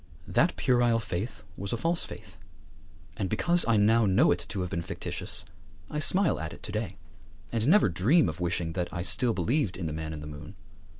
That puerile faith was a false faith; and because I now know it to have been fictitious I smile at it to day, and never dream of wishing that I still believed in the Man in the Moon.